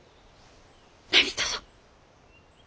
何とぞ。